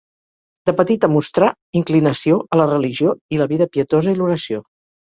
De petita mostrà inclinació a la religió i la vida pietosa i l'oració.